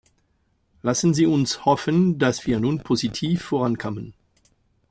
Lassen Sie uns hoffen, dass wir nun positiv vorankommen.